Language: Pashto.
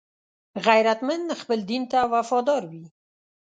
غیرتمند خپل دین ته وفادار وي